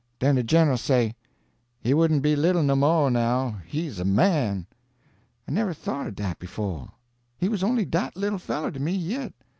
Den de Gen'l say, 'He wouldn't be little no mo' now he's a man!' "I never thought o' dat befo'! He was only dat little feller to ME yit.